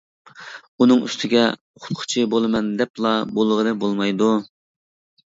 ئۇنىڭ ئۈستىگە ئوقۇتقۇچى بولىمەن دەپلا بولغىلى بولمايدۇ.